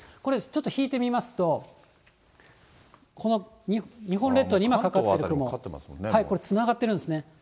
ちょっとこれ引いてみますと、この日本列島に今、かかっている雲、つながっているんですね。